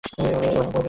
এবার আমাকে মনে পড়েছে?